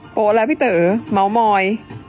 โป๊ะแล้วพี่เต๋อเม้ามอย